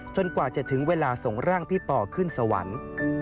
กว่าจะถึงเวลาส่งร่างพี่ปอขึ้นสวรรค์